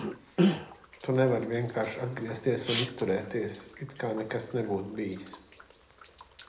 Tu nevari vienkārši atgriezties un izturēties, it kā nekas nebūtu bijis!